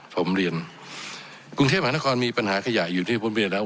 ผมเรียนกรุงเทพหานครมีปัญหาขยะอยู่ที่ผมเรียนแล้ว